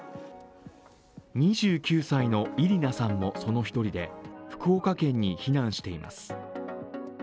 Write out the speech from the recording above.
２９歳のイリナさんも、その一人で福岡県に避難しています。